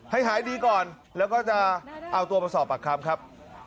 ให้หายดีก่อนแล้วก็จะเอาตัวมาสอบปากคำครับ